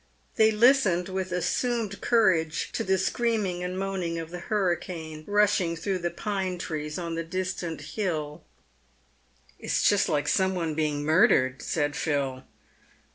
They listened with assumed courage to the screaming and moaning of the hurricane rushing through the pine trees on the distant hill. v 290 PAVED WITH GOLD. " It's just like some one being murdered," said Phil.